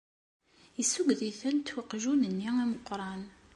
Yessuged-itent uqjun-nni ameqqran.